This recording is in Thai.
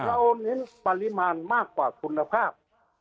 เราเน้นปริมาณมากกว่าคุณภาพ